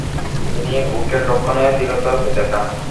তিনি উইকেট-রক্ষণে দৃঢ়তা দেখান।